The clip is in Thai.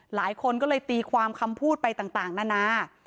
หลายคนก็เลยตีความคำพูดไปต่างนานา